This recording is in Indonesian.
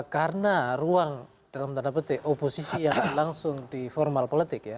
karena ruang dalam tanda petik oposisi yang langsung di formal politik ya